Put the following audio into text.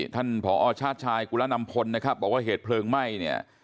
ท่านผอชาติชายกุลนำพลนะครับบอกว่าเหตุเพลิงไหม้เนี่ย